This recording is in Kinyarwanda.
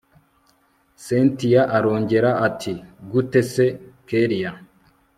cyntia arongera ati gute se kellia